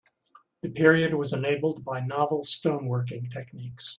The period was enabled by novel stone working techniques.